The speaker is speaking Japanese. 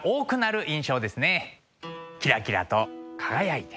キラキラと輝いて。